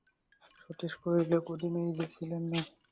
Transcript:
সতীশ কহিল, কদিনই যে ছিলেন না।